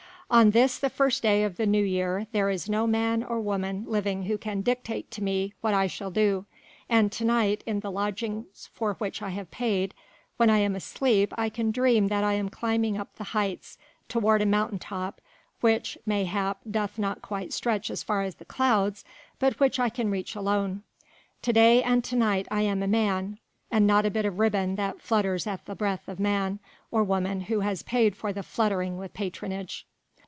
On this the first day of the New Year there is no man or woman living who can dictate to me what I shall do, and to night in the lodgings for which I have paid, when I am asleep I can dream that I am climbing up the heights toward a mountain top which mayhap doth not quite stretch as far as the clouds, but which I can reach alone. To day and to night I am a man and not a bit of ribbon that flutters at the breath of man or woman who has paid for the fluttering with patronage."